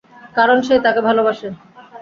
কারন সে তাকে ভালোবাসে।